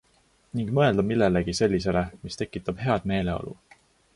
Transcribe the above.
Ning mõelda millelegi sellisele, mis tekitab head meeleolu.